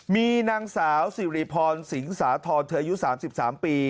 มีนางสาวสิริพรสิงสาธรณ์เธออายุ๓๓ปี